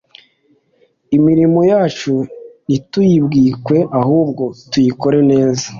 Imirimo yacu ntituyibwike ahubwo tuyikore neza